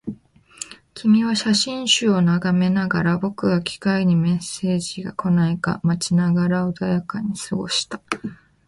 君は写真集を眺めながら、僕は機械にメッセージが来ないか待ちながら穏やかに過ごした